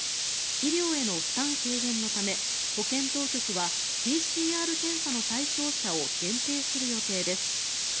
医療への負担軽減のため保健当局はＰＣＲ検査の対象者を限定する予定です。